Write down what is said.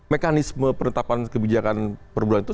mekanisme penetapan kebijakan perbulan itu